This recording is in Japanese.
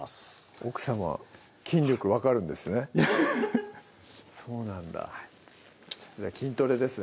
奥さま筋力分かるんですねそうなんだじゃあ筋トレですね